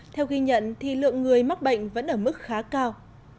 theo ghi nhận thì lượng người mắc bệnh vẫn ở mức khá cao